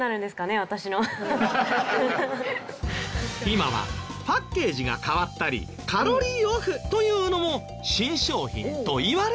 今はパッケージが変わったりカロリーオフというのも新商品といわれますが。